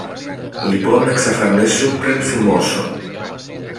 Λοιπόν εξαφανίσου πριν θυμώσω.